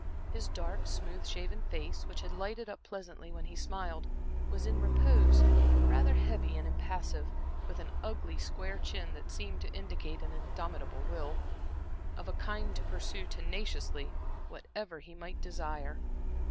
His dark, smooth shaven face, which had lighted up pleasantly when he smiled, was in repose rather heavy and impassive, with an ugly, square chin, that seemed to indicate an indomitable will, of a kind to pursue tenaciously whatever he might desire.